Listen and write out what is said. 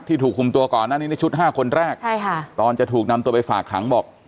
ถูกคุมตัวก่อนหน้านี้ในชุดห้าคนแรกใช่ค่ะตอนจะถูกนำตัวไปฝากขังบอก